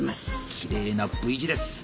きれいなＶ字です。